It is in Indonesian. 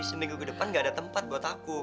seminggu ke depan gak ada tempat buat aku